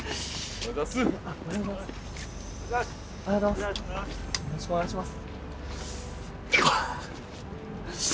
おはようございます。